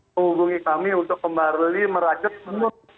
menghubungi kami untuk kembali merajut semua